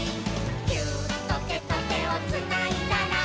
「ギューッとてとてをつないだら」